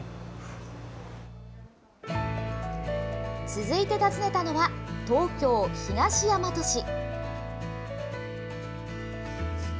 続いて訪ねたのは、東京・東大和市。